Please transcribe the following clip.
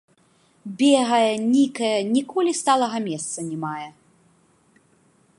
Бегае, нікае, ніколі сталага месца не мае.